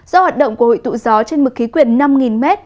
do hoạt động của hội tụ gió trên mực khí quyển năm m